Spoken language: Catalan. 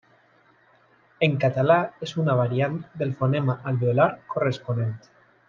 En català és una variant del fonema alveolar corresponent.